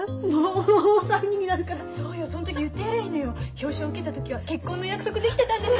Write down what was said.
「表彰受けた時は結婚の約束できてたんです」